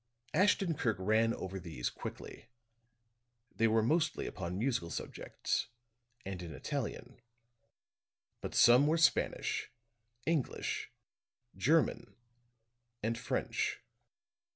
Ashton Kirk ran over these quickly; they were mostly upon musical subjects, and in Italian. But some were Spanish, English, German and French.